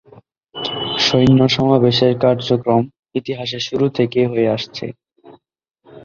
সৈন্য সমাবেশের কার্যক্রম ইতিহাসের সুরু থেকে হয়ে আসছে।